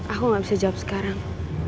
aku gak bisa jawab sekarang